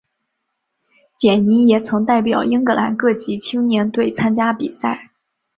简尼也曾代表英格兰各级青年队参加比赛。